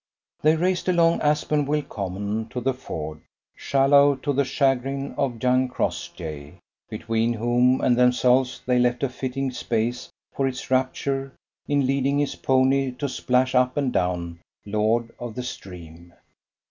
They raced along Aspenwell Common to the ford; shallow, to the chagrin of young Crossjay, between whom and themselves they left a fitting space for his rapture in leading his pony to splash up and down, lord of the stream.